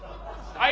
はい。